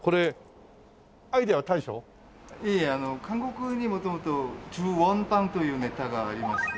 韓国に元々１０ウォンパンというネタがありまして。